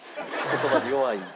言葉に弱い？